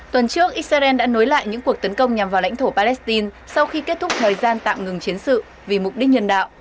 tuần trước israel đã nối lại những cuộc tấn công nhằm vào lãnh thổ palestine sau khi kết thúc thời gian tạm ngừng chiến sự vì mục đích nhân đạo